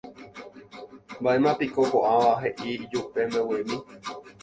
Mbaʼéma piko koʼãva heʼi ijupe mbeguemi.